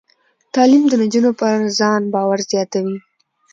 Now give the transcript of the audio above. تعلیم د نجونو پر ځان باور زیاتوي.